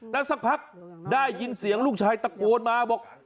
แล้วสักพักได้ยินเสียงลูกชายตะโกนมาบอก